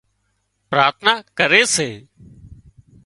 پراٿنا ڪري سي